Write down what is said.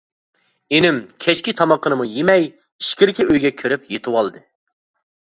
ئىنىم كەچكى تامىقىنىمۇ يېمەي ئىچكىرىكى ئۆيگە كىرىپ يېتىۋالدى.